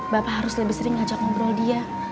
bapak harus lebih sering ngajak ngobrol dia